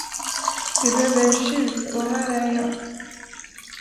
Du behöver en tjuv, och här är jag.